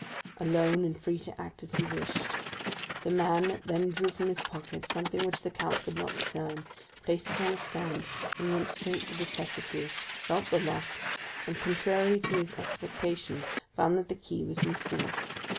Alone and free to act as he wished, the man then drew from his pocket something which the count could not discern, placed it on a stand, then went straight to the secretaire, felt the lock, and contrary to his expectation found that the key was missing.